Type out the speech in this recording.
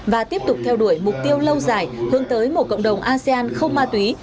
và tiếp tục theo đuổi mục tiêu lâu dài hướng tới một cộng đồng asean không ma túy